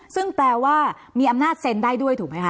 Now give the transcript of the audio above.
ซึ่งแปลว่ามีอำนาจเซ็นได้ด้วยถูกไหมคะ